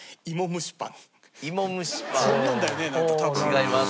違います。